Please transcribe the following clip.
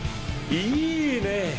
いいね。